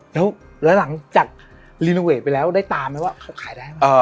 แล้วหลังจากรีโนเวทไปแล้วได้ตามไหมว่าเขาขายได้ไหม